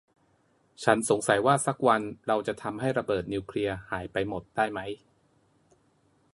ฉันสงสัยว่าสักวันเราจะทำให้ระเบิดนิวเคลียร์หายไปหมดได้มั้ย